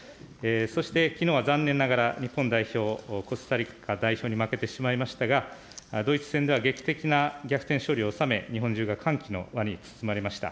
そして、きのうは残念ながら日本代表、コスタリカ代表に負けてしまいましたが、ドイツ戦では劇的な逆転勝利をおさめ、日本中が歓喜の輪に包まれました。